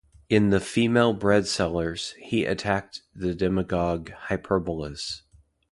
In the "Female Bread-Sellers", he attacked the demagogue Hyperbolus.